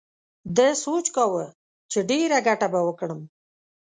ده سوچ کاوه چې ډېره گټه به وکړم.